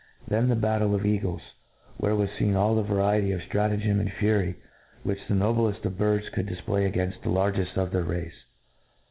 — ^Then the battle of the eagles, where was fcen all the variety of ftrata . gem and fury which the nobleft of birds could difplay againft the largeft of their race.